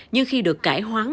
nhưng khi được cải hoáng